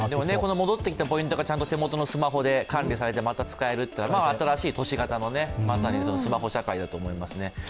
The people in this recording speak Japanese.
戻ってきたポイントがちゃんと手元のスマホで管理されてまた使えるというのは新しい都市型のスマホ社会だと思いますね。